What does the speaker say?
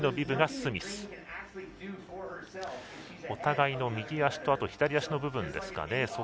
お互いの右足と左足の部分ですかね。